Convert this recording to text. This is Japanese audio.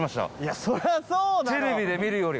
そりゃそうだろ。